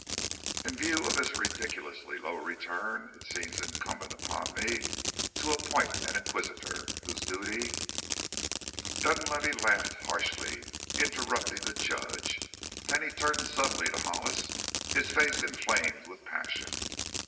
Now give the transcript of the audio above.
In view of this ridiculously low return it seems incumbent upon me to appoint an inquisitor, whose duty " Dunlavey laughed harshly, interrupting the Judge. Then he turned suddenly to Hollis, his face inflamed with passion.